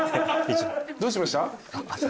どうしました？